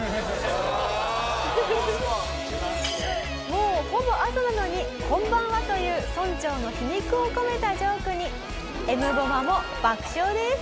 もうほぼ朝なのに「こんばんは」と言う村長の皮肉を込めたジョークにエムボマも爆笑です。